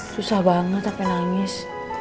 susah banget sampe nangis